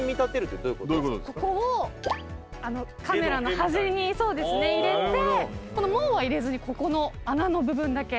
ここをカメラの端に入れてこの門は入れずにここの穴の部分だけ。